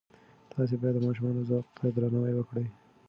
تاسې باید د ماشومانو ذوق ته درناوی وکړئ.